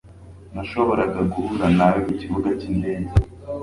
Nashoboraga guhura nawe kukibuga cyindege.